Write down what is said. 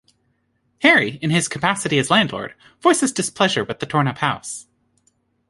Harry, in his capacity as landlord, voices displeasure with the torn up house.